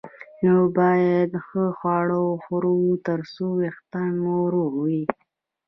نو باید ښه خواړه وخورو ترڅو وېښتان مو روغ وي